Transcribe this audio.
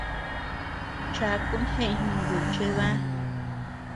Chakun jeʼëñ jinguy chebä.